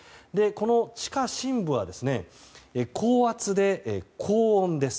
この地下深部は高圧で高温です。